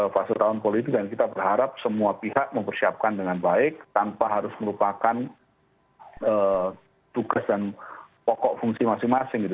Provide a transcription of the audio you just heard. fase tahun politik dan kita berharap semua pihak mempersiapkan dengan baik tanpa harus merupakan tugas dan pokok fungsi masing masing gitu